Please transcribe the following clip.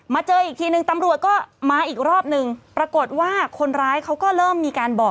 เจออีกทีนึงตำรวจก็มาอีกรอบนึงปรากฏว่าคนร้ายเขาก็เริ่มมีการบอก